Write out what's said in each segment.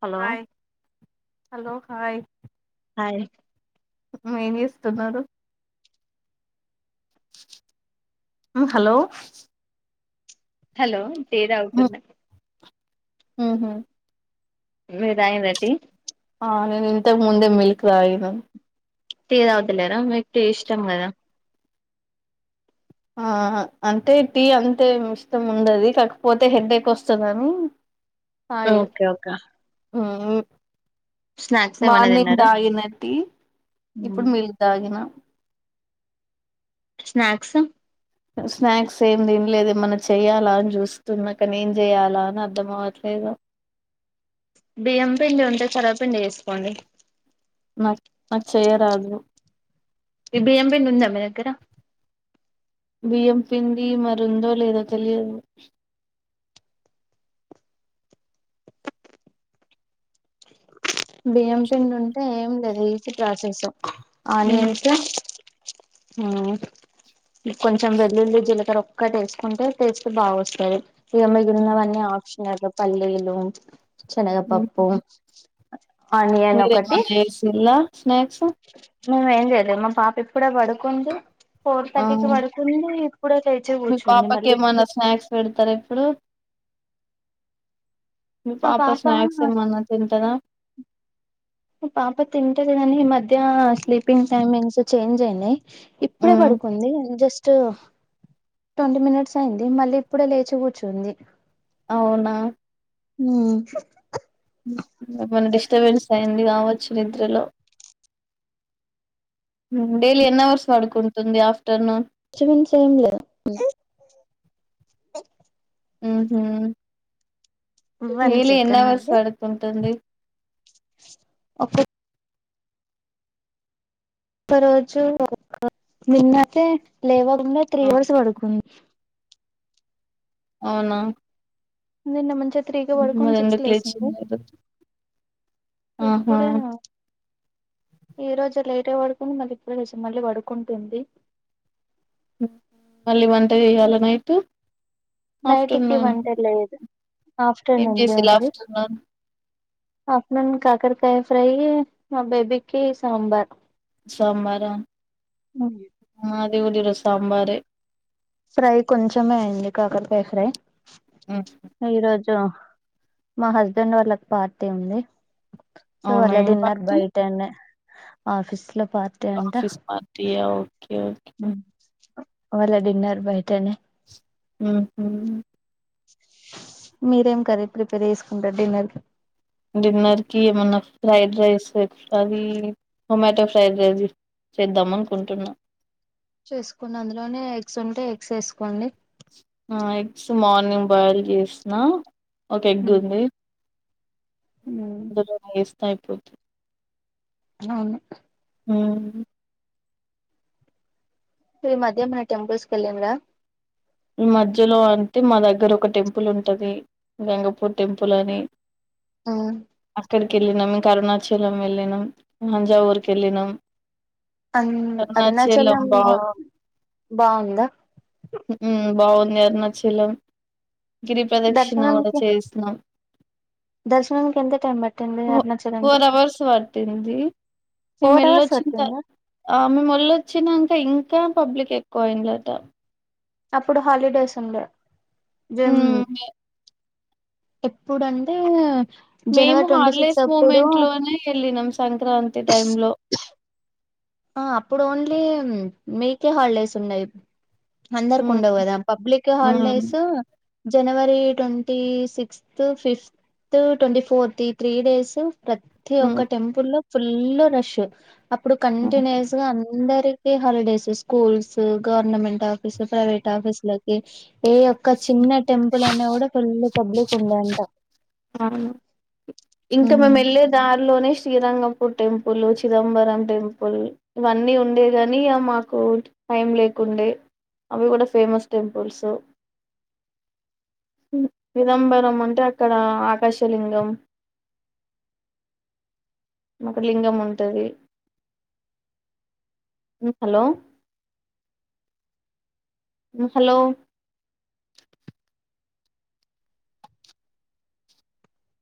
Hello hi hello hi ఆయ్ ఏం చేస్తున్నారు మ్మ్ హలో హలో టీ తాగుతున్న. మ్మ్ హ్మ్ మీరు త్రాగిండ్ర టీ ఆ నేను ఇంతకు ముందే మిల్క్ తాగిన టీ తాగుతలేరా మీకు టీ ఇష్టం కదా ఆ అంటే టీ అంతేం ఇష్టం ఉండదు, కాకపోతే హెడేక్ వస్తదని పాగిరా ఓకే ఓకే మ్మ్ స్నాక్స్ ఏమైనా మార్నింగ్ తిన్నారా తాగిన టీ, ఇప్పుడు మిల్క్ తాగిన స్నాక్స్ స్నాక్స్ ఏం తిన్లేదు ఏమన్నా చేయాలా అని చూస్తున్నా. కానీ ఏం చేయాలా అని అర్థం అవట్లేదు. బియ్యం పిండి ఉంటే సర్వ పిండి చేసుకోండి నక్ [unintelligible] చేయరాదు. ఈ బియ్యం పిండి ఉందా మీ దగ్గర బియ్యం పిండి మరి ఉందో లేదో తెలియదు. బియ్యం పిండి ఉంటే ఏందది ప్రాసెసు ఉమ్ ఆనియన్స్ మ్మ్ కొంచం వెల్లుల్లి, జీలకర్ర ఒక్కటేస్కుంటే టేస్ట్ బాగా వస్తది. ఇగ ఉమ్ మిగిలినవన్నీ ఆప్షనల్ పల్లీలు శనగ పప్పు [unintelligible] వేసిల్లా స్నాక్స్ మేము ఏం చేయలేదు. మా పాప ఇప్పుడే పడుకుంది. ఫోర్ ఆ థర్టీకు పడుకుంది. ఇప్పుడే లేచి మీ కూర్చుంది పాపకి మళ్ళీ ఏమన్న స్నాక్స్ పెడతారా ఇప్పుడూ మీ మా పాప స్నాక్స్ మా ఏమన్నా తింటదా పాప తింటది కాని ఈ మధ్య స్లీపింగ్ టైమింగ్స్ చేంజ్ అయినయి ఇప్పుడే ఉమ్ పడుకుంది జస్ట్ [unintelligible] ట్వంటీ మినిట్స్ అయింది మళ్ళీ ఇప్పుడే లేచి కూర్చుంది. అవునా మ్ ఏమన్నా డిస్టర్బెన్స్ అయింది కావచ్చు నిద్రలో డైలీ ఎన్ అవర్స్ పడుకుంటుంది ఆఫ్టర్నూన్ చు మించు ఏం లే మ్ హుమ్ వన్ డైలి ఎన్ని సెకండ్ అవర్స్ వర్క్ ఉంటుంది అపెక్ ఒక రోజూ [unintelligible] నిన్నైతే లేవ నిన్న త్రీ ఆ, అవర్స్ పడుకుంది అవునా నిన్న మంచ్ మ్ హు అదెందుకు లేచింది [inaudible] ఆహా ఇప్పుడే! ఈ రోజు లేట్గ పడుకుని, మళ్ళీ ఇప్పుడేలేసి, మళ్ళీ పడుకుంటుంది. ఉ మల్లీ వంటజేయల్నా నైటు నైట్ కీ వంట లేదు ఏం ఆఫ్టర్నూన్ దే చేసిల్లు ఉంది ఆఫ్టర్నూన్ ఆఫ్టర్నూన్ కాకరకాయ ఫ్రైయీ, మా బేబికీ సాంబార్. సాంబారా మరియు [unintelligible] సాంబారే ఫ్రై కొంచమే అయ్యింది. కాకరకాయ ఫ్రై మ్మ్. ఈ రోజు ఆ మా హస్బెండ్ వాళ్ళకి పార్టీ ఉంది సో, అవునా వాళ్ళ ఏం డిన్నర్ పచ్చడి బయటన్నె ఆఫిస్ లొ ఆఫీస్ పార్టియో ఎవర్కి వాళ్ళ డిన్నర్ బయటనె మ్ హూ మీరేం కర్రీ ప్రిపేర్ చేసుకుంటరు డిన్నర్ కి డిన్నర్ కి ఏమన్నా fried rice [unintelligible] curry tomato fried rice చేద్దామనుకుంటున్నా. చేసుకొండి, అందులోనే ఎగ్స్ ఉంటే, ఎగ్స్ ఏసుకోండి. ఆ ఎగ్స్ మార్నింగ్ బాయిల్ చేసినా. ఒక ఎగ్ ఉంది. ఉ భుజం వేసి తాయిపోత్తు. అవును. ఊ ఈ మధ్య ఏమైనాటెంపుల్స్ కి వెళ్ళిరా ఈ మధ్యలో అంటె, మా దగ్గర ఒక టెంపుల్ ఉంటది, గంగపూర్ టెంపుల్ అని. ఉమ్ అక్కడికి ఏళ్ళినాము.. కరుణాచలం వెళ్ళినాం. ముంజావూరుకి ఏళ్ళినాం. అన్ అరుణాచలం బాగు బాగుందా. బావుంది అరుణాచలం. గిరి ప్రదక్షిణ కూడా దర్శనంకి చేసినాం దర్శనంకి ఎంత టైం పట్టింది అరుణాచలంలో ఫోర్ అవర్స్ పట్టింది. మేము ఫోర్ అవర్స్ వెళ్లొచ్చిన పట్టిందా తరువా మేము వెళ్లొచ్చినాక ఇంకా. ఇంకా పబ్లిక్ ఎక్కువ అయిందటా. అప్పుడు హాలిడేస్ ఉండే. జనంము మ్ ఇప్పుడు అంటే మేము హాలిడేస్ మూమెంట్ లోనే వెళ్ళినము సంక్రాంతి టైం లో. ఆ అప్పుడు ఓన్లీ మీకే హాలిడేస్ ఉన్నాయి. మ్ అందరకుండవు కదా పబ్లిక్ మ్ హాలిడేస్. జనవరి twenty sixth, fifth, twenty fourth, ఈ త్రీ డేస్. ప్రతి మ్ ఒక్క టెంపుల్ లో. ఫుల్ రష్ అప్పుడు. కంటిన్యూస్ గా అందరు. Holidays schools, government office, private office ల కి ఏ యొక్క చిన్న టెంపుల్ అయినా అయినా కూడా ఫుల్ పబ్లిక్ ఉందంటా. అవును, ఇంకా మేము ఉమ్. వెళ్ళేదారిలోనే శ్రీరంగపూర్ టెంపుల్, చిదంబరం టెంపుల్, ఇవన్నీ ఉండే గాని మాకు టైం లేకుండే, అవి కూడా ఫేమస్ టెంపుల్స్, చిదంబరం అంటే అక్కడ. ఆకాశలింగం, ఒక లింగం ఉంటుంది. హలో. హలో.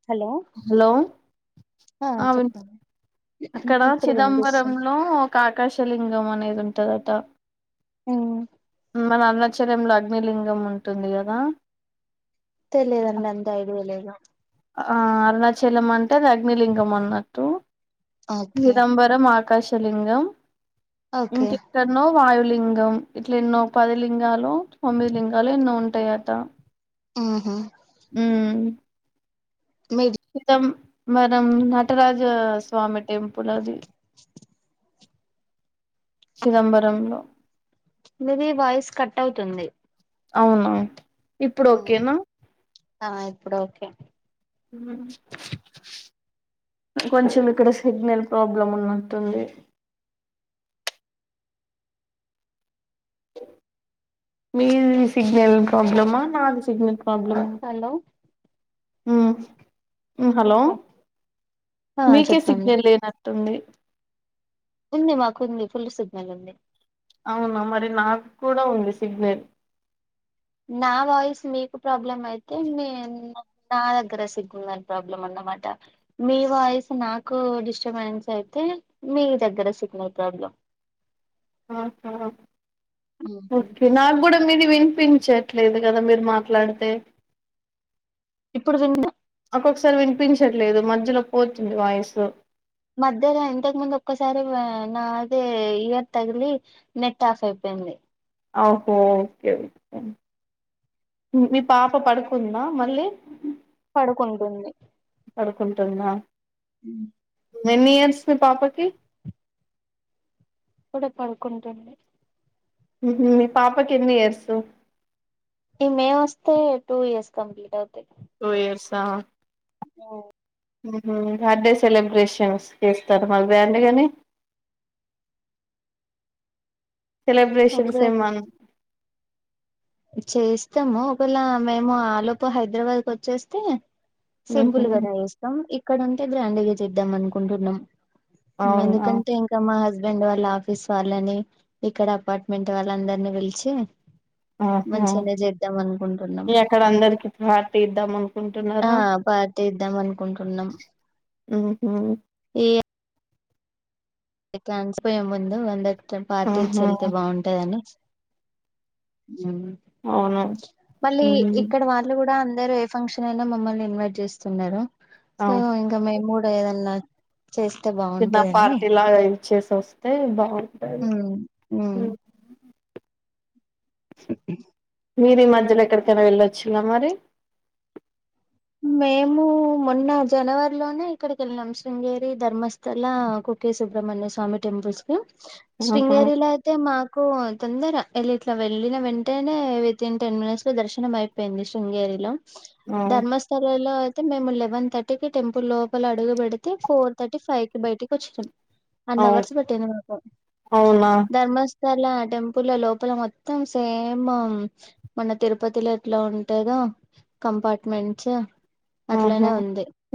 హలో హలో, ఆ వినిపి చెప్పండి అక్కడ ఇప్పుడు వినిపిస్తుంది చిదంబరంలో ఒక ఆకాశలింగం అనేది. ఉ ఉంటదట ఊ మన అరుణాచలంలో అగ్నిలింగం ఉంటుంది. కదా తెలియదండి. అంత ఐడియాలేదు. ఆ అరుణాచలం అంటే అగ్నిలింగం అన్నట్టు.. ఓకే చిదంబరం ఆకాశ. లింగం ఓకే ఇంకాక్కనో వాయులింగం ఇట్లా ఎన్నో పది లింగాలు తొమ్మిది లింగాలు ఎన్నో ఉంటాయట ఆహా హ మీరు ఇతం మనం నటరాజ స్వామి టెంపుల్ అది చిదంబరంలో ఇది వాయిస్ కట్ అవుతుంది అవునవు ఇప్పుడు ఓకేనా ఆ ఇప్పుడు ఓకే కొంచెం ఇక్కడ సిగ్నల్ ప్రాబ్లం ఉన్నట్ంది మీది స్నల్ ప్రబ్లమా నాది సనల్ ప్రాబ్లమ్ హలో ఆ హలో చెప్పండి ఆ మీకె చెప్పండి సిగ్నెల్న తొమ్మిది ఉంది మాకుంది ఫుల్ సిగ్నల్ ఉంది అవునా మరి నాకు కూడా ఉంది సిగ్నల్ నా వాయిస్ మీకు ప్రాబ్లమ్ అయితే మీేన్ నా దగ్గర సిగ్నల్ ప్రాబ్లం అన్నమాట మీ వాయిస్ నాకు డిస్టర్బెన్స్ అయితే మీ దగ్గర సిగ్నల్ ప్రాబ్లం హ ఓకే నాకు కూడా మీది వినిపించట్లేదు కదా మీరు మాట్లాడితే ఇప్పుడు తన్న మాకు ఒకసారి వినిపించట్లేదు మధ్యలో పోతుంది వాయిసు మధ్యహ్న ఇంతకు ముందు ఒక్కసారి నాదే ఇయర్ తగిలి నెట్ ఆఫ్ అయిపోయింది అహో ఓకేఓకే మీ పాప పడుకుందా మళ్ళీ పడుకుంటుంది పడుకుంటుంద హ మెనీ ఇయర్స్ మీ పాపకి ఇప్పుడే పడుకుంటుంది మీ పాప కిన్ని ఇయర్స్ ఈ మే వస్తే టూ ఇయర్స్ కంప్లీట్ అవుతాయి ట్వి యేర్సా ఓ బర్త్డే సెలబ్రేషన్స్కి ఇస్తారు మళద అండి కాని సెలబ్రేషన్స్ ఓకే ఏమన్నా చేస్తాము ఒకవేళ మేము ఆలోపు హైదరాబాద్కి వచ్చేస్తే ఉహు సింపుులు కద చేస్తాం ఇక్కడ ఉంటే గ్రాండ్గా చేద్దాం అనుకుంటున్నాం అవునా ఎందుకంటే ఇంకా మా హస్బ డ్ వాళ్ళ ఆఫీస్ వాళ్ళని ఇక్కడ అపార్ట్మెంట్ వాళ్ళ అందరినీ పిలిచి ఆహా మంచిగానే చేద్దాం అనుకుంటున్నాం ఏక్కడ అందరికి పార్టీ ఇద్దాం ఆ అనుకుంటున్నారా పార్టీ ఇద్దాం మ్మ్ హ్మ్ ఇయ్య కాన్సపోయే ముందు అందరిక టమ్ పార్టీ ఇచ్చి ఆహా ఏళ్తే బావుంటదని అవును మళ్ళీ ఉమ్ ఇక్కడ వాళ్ళు కూడ అంత అందరు ఏ ఫంక్షన్ అయినా మమ్మల్ని ఇన్వైట్ చేస్తున్నరు సో ఇంక మేమ్ కూడ లేదన్న చిన్నా పార్టీలాగా చెస్ ఇచ్చేసి వస్తే బావుంటద్ హ్మ మ్మ్ మీరు ఈ మధ్యలో ఎక్కడికైనా వెలొచీనా మరి మేము మొన్న జనవరిలోనే ఇక్కడికి వెళ్ళినామ్ శృంగేరి ధర్మస్థల కుక్కే సుబ్రహ్మణ్య స్వామి టెంపుల్స్ ఆహా శృంగేరిలో అయితే మాక్ కు తొందర ఎల్లి ఇట్లా వెళ్ళిన వెంటేనే వితిన్ టెన్ మినిట్స్ లో దర్శనం అయిపోయింది శృంగేరిలో ఆ లో అయితే మేము లెవెన్ థర్టీి కి టెంపుల్ లోపల అడుగు పెడితే ఫోర్ థర్టీ ఫైవ్ కి బయటికి వచ్చినాం అవు అన్వర్స్ పట్టింది మాకు అవునా ధర్మస్థ సర్లే ఆ టెంపుల్ లోపల మొత్తం సేమ్ మన తిరుపతిలో ఎట్లా ఉంటదో కంపార్ట్మెంట్ చ ఆహ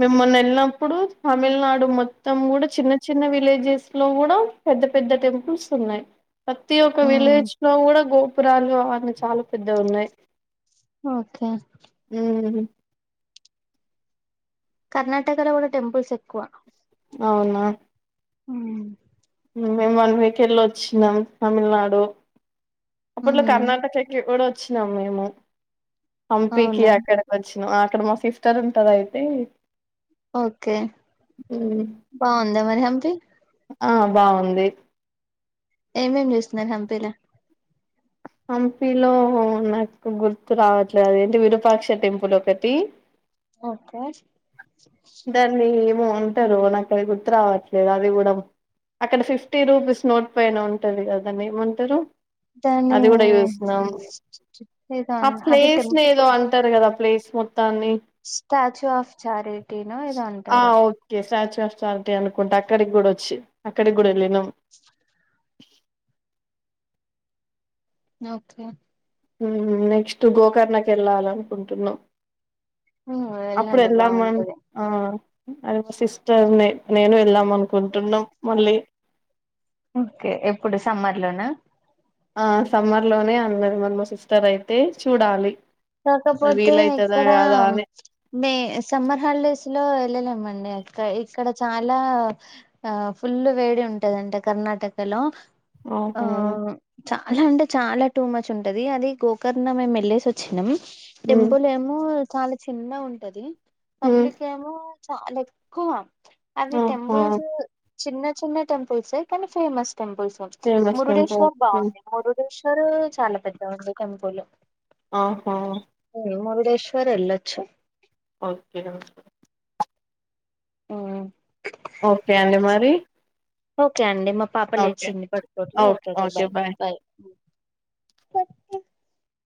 మిమ్మల్ని వెళ్ళినప్పుడు తమిళనాడు మొ తమ్ కూడా చిన్న చిన్న విలేజెస్ లో కూడా పెద్ద పెద్ద టెంపుల్స్ ఉన్నాయ్ ప్రతి ఒక్క ఉమ్ విలేజ్ లో కూడ గోప్ గోపురాలు అన్నవి చాలా పెద్ద ఉన్నాయ్ ఒకే కర్ణాటకలో గుడా టెంపుల్స్ ఎక్కువ అవున హ్మ మేము వన్ వీక్ ఏళ్లి వచ్చినమ్ తమిళనాడు అప్పట్లో ఉమ్ కర్ణాటక చేక్కి ఎవడో వచ్చినాం మేమూ హంపికీ అవునా అక్కడ కి వచ్చి అక్కడ మా సిస్టర్ ఉంటరు అయితే ఓకే ఉమ్, బావుందా మరి హంపీ ఆ బాగుంది ఏమేం చూసినరు హంపిలా హంపీలో నాకు గుర్తు రావట్లేదు అదేంటి విరూపాక్ష టెంపుల్ ఒకటి ఓకే దాన్ని ఉంటరు నా అది గుర్తు రావట్లేదు అది కూడం అక్కడ ఫిఫ్టీ రూపీస్ నోట్ పైన ఉంటది కదా దానేమంటరు దాని అది కూడా చూసినం ఏదో ఆ అన్ అది ప్లేస్ ఏదో టెంపుల్ అంటారు కదా ప్లేస్ స్వాప్ స్టాచ్యూ ఆఫ్ చారి టినో ఏదో ఆ అంటరు ఓకే స్టాచ్యూ ఆఫ్ ఛారిటీ అనుకుంట అక్కడికి కూడా వచ్చి అక్కడికి కూడా ఎల్లి నం న ఒకే ఉ నెక్స్ట్ గోకర్ణ కేళ్లాలనుకుంటున్నాం ఉమ్ అప్పుడు వెళ్ళండి వెళ్దామను బాగుంటది ఆ అది మా సిస్టర్ నే నేను వెళ్దాం అనుకుంటున్నాం మళ్ళీ ఓకే ఎప్పుడు సమ్మర్ లోనా ఆ సమ్మర్ లోనే అన్నది మరి మా సిస్టర్ అయితే చూడాలి కాకపోతే వీలైతదా ఇక్కడ కాదా అని మే సమ్మర్ హాలిడేస్ తులో వెళ్ళలేమండి అక్క ఇక్కడ చాలా ఆ ఫుల్ వేడి ఉంటదాంట కర్ణాటకలో ఆ ఆహా చ అలా అంటే చాలా టూ మచ్ ఉంటది అది గోకర్ణ మేము యేలేసి వ చ్చినం ఉమ్ టెంపుల్ ఏమో చాలా చిన్న ఉంటది ఉమ్ పబ్లిక్ ఏమో చాలా ఎక్కువ అవి ఆహా టెంపుల్స్ చిన్న చిన్న టెంపుల్సే కానీ famous temples famous temple Murudeshwar ఉమ్, బాగుంది మురుడేశ్వ టరు చాలా పెద్ద ఉంది టెంపుల్ ఆహా మురుడేశ్వర ఎల్లచ్చ ఓకే ఆ ఓకే అండి మరి ఓకే అండి మా పాప ఓకే లేచింది పడుకోవట్లేదు ఓకే ఓకే బాయ్ బాయ్ ప